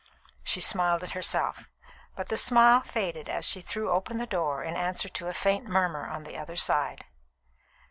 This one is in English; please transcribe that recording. She smiled at herself, but the smile faded as she threw open the door in answer to a faint murmur on the other side.